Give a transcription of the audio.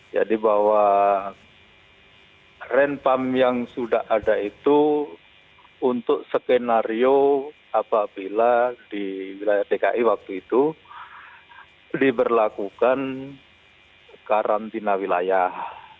jadi bahwa rentam yang sudah ada itu untuk skenario apabila di wilayah dki waktu itu diberlakukan karantina wilayah